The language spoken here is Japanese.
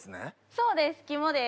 そうです肝です。